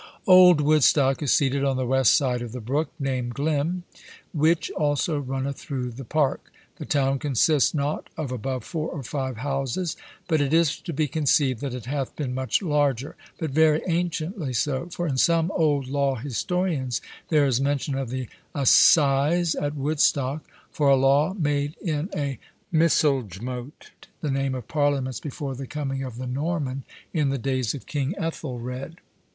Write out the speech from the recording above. Old Woodstock is seated on the west side of the brook, named Glyme, which also runneth through the park; the town consists not of above four or five houses, but it is to be conceived that it hath been much larger, (but very anciently so,) for in some old law historians there is mention of the assize at Woodstock, for a law made in a Micelgemote (the name of Parliaments before the coming of the Norman) in the days of King Ethelred.